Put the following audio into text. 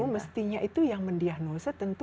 mestinya itu yang mendiagnosa tentu